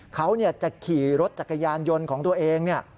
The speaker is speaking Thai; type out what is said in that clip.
เขาจะขี่รถจักรยานยนต์ของตัวเอง